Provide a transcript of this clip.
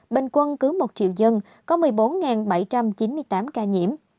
bình quân cứ một triệu dân có một mươi bốn bảy trăm chín mươi tám ca nhiễm